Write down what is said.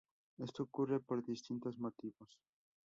Esto ocurre por distintos motivos.